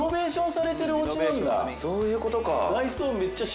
そういうことか。